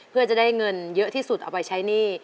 เพื่อจะได้เงินเยอะที่สุดเอาไปใช้หนี้